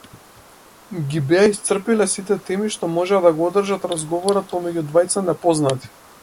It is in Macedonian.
Ги беа исцрпиле сите теми што можеа да го одржат разговорот помеѓу двајца непознати.